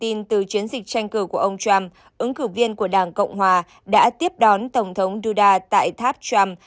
theo các nguồn tin từ chiến dịch tranh cử của ông trump ứng cử viên của đảng cộng hòa đã tiếp đón tổng thống duda tại tháp trump